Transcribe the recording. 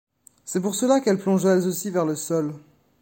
C'est pour cela qu'elles plongent elles aussi vers le sol.